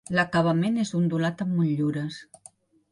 L'acabament és ondulat amb motllures.